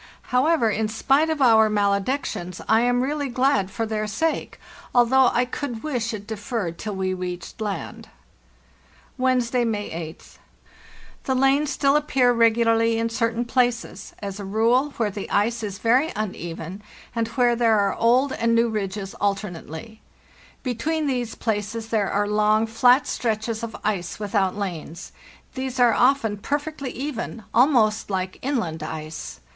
However, in spite of our maledictions, I am really glad for their sake, although I could wish it deferred till we reach land. "Wednesday, May 8th. The lanes still appear as a rule, where the ice 1s regularly in certain places very uneven, and where there are old and new ridges 200 FARTHEST NORTH alternately; between these places there are long, flat stretches of ice without lanes. These are often perfect ly even, almost like 'inland ice.